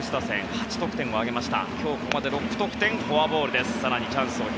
８得点をあげました。